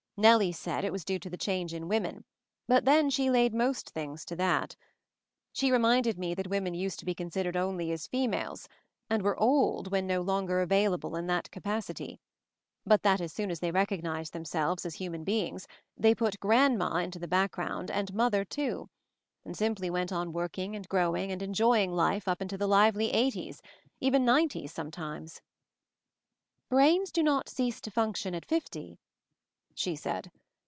Nellie said it was due to the change in women — but then she laid most things to that. She reminded me that women used to be considered only as females, and were "old" when no longer available in that capacity; but that as soon as they recognized themselves as human beings they put "Grandma" into the back MOVING THE MOUNTAIN 225 ground, and "Mother" too; and simply went on working and growing and enjoying life up into the lively eighties — even nineties, sometimes. "Brains do not cease to function at fifty," she said.